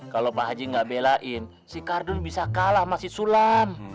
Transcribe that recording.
kalau pak haji nggak belain si kardun bisa kalah sama si sulam